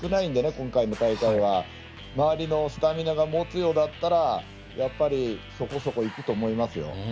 今回の大会はね、周りの選手のスタミナが持つようだったらそこそこ、いくと思いますよ。